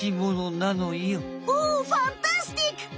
おおファンタスティック！